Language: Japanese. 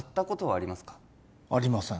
ありません